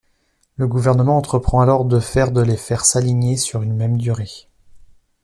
Le gouvernement entreprend alors de faire de les faire s'aligner sur une même durée.